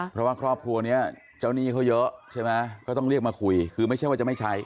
เพราะว่าครอบครัวนี้เจ้าหนี้เขาเยอะใช่ไหมก็ต้องเรียกมาคุยคือไม่ใช่ว่าจะไม่ใช้